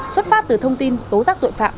xuất phát từ thông tin tố rác tội phạm